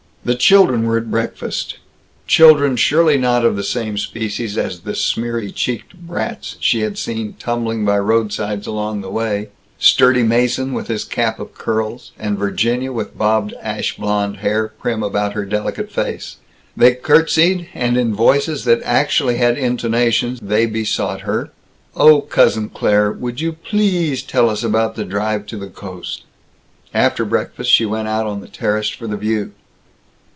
The children were at breakfast children surely not of the same species as the smeary cheeked brats she had seen tumbling by roadsides along the way sturdy Mason, with his cap of curls, and Virginia, with bobbed ash blond hair prim about her delicate face. They curtsied, and in voices that actually had intonations they besought her, "Oh, Cousin Claire, would you pleasssssse tell us about drive to the coast?" After breakfast, she went out on the terrace for the View.